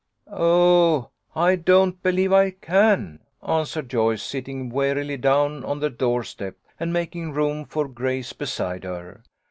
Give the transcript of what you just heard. "Oh, I don't believe I can," answered Joyce, sitting wearily down on the doorstep, and making room for Grace beside her.